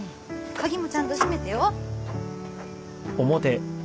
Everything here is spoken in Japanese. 鍵もちゃんと締めてよ。